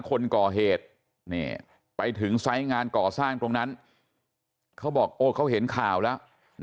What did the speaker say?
คนก่อเหตุไปถึงไซส์งานก่อสร้างตรงนั้นเขาบอกโอ้เขาเห็นข่าวแล้ว